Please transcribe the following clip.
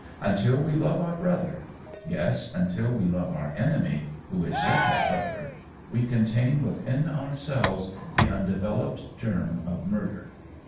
Until we love our brother, yes, until we love our enemy, who is yet our brother, we contain within ourselves the undeveloped germ of murder.